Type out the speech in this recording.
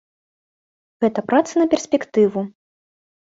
Гэта праца на перспектыву.